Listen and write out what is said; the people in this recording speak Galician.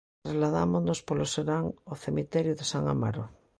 Trasladámonos polo serán ao cemiterio de San Amaro.